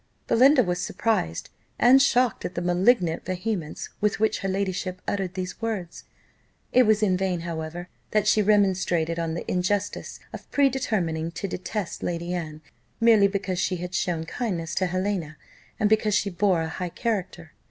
Belinda was surprised and shocked at the malignant vehemence with which her ladyship uttered these words; it was in vain, however, that she remonstrated on the injustice of predetermining to detest Lady Anne, merely because she had shown kindness to Helena, and because she bore a high character.